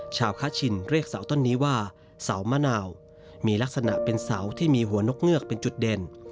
คชินเรียกเสาต้นนี้ว่าเสามะนาวมีลักษณะเป็นเสาที่มีหัวนกเงือกเป็นจุดเด่น